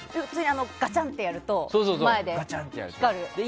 ガチャンってやると前で光りますよね。